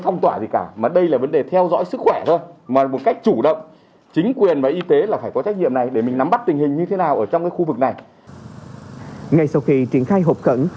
ngày sau khi triển khai hộp khẩn